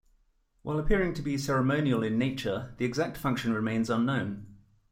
While appearing to be ceremonial in nature, the exact function remains unknown.